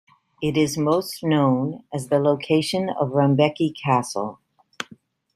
It is most known as the location of Rumbeke Castle.